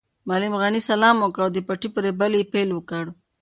معلم غني سلام وکړ او د پټي په رېبلو یې پیل وکړ.